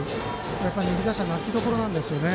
やっぱり右打者泣きどころなんですよね。